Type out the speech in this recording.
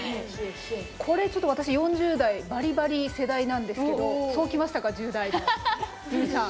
これちょっと私４０代バリバリ世代なんですけどそうきましたか１０代で結海さん。